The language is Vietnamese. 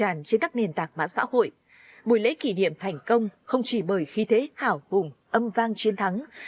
tràn trên các nền tạc mã xã hội buổi lễ kỷ niệm thành công không chỉ bởi khí thế hảo hùng âm vang chiến thắng